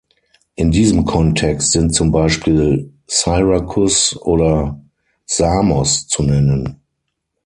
In diesem Kontext sind zum Beispiel Syrakus oder Samos zu nennen.